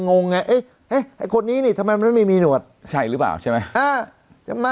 งงไงเอ๊ะไอ้คนนี้นี่ทำไมมันไม่มีหนวดใช่หรือเปล่าใช่ไหม